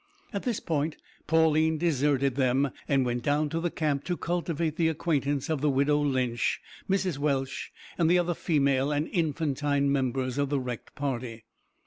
At this point Pauline deserted them and went down to the camp to cultivate the acquaintance of the widow Lynch, Mrs Welsh, and the other female and infantine members of the wrecked party.